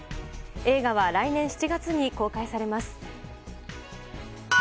映画は来年７月に公開されます。